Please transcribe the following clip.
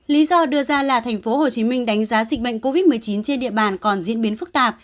lý do đưa ra là tp hcm đánh giá dịch bệnh covid một mươi chín trên địa bàn còn diễn biến phức tạp